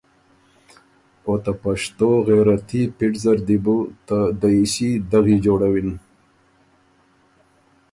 او ته پشتو غیرتي پِټ زر دی بو ته دئیسي دغی جوړَوِن۔